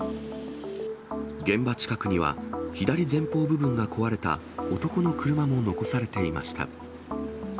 現場近くには、左前方部分が壊れた男の車も残されていました。